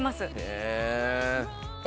へえ！